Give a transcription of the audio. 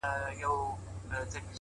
o دا څه ليونى دی بيـا يـې وويـل،